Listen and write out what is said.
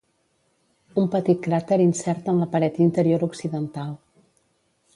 Un petit cràter insert en la paret interior occidental.